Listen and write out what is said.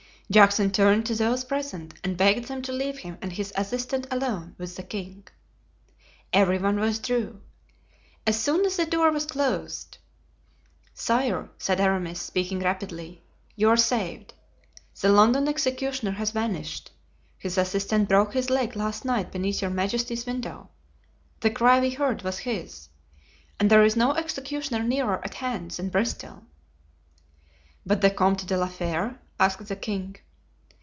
Juxon turned to those present and begged them to leave him and his assistant alone with the king. Every one withdrew. As soon as the door was closed: "Sire," said Aramis, speaking rapidly, "you are saved; the London executioner has vanished. His assistant broke his leg last night beneath your majesty's window—the cry we heard was his—and there is no executioner nearer at hand than Bristol." "But the Comte de la Fere?" asked the king.